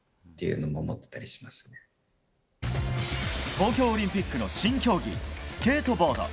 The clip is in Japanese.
東京オリンピックの新競技スケートボード。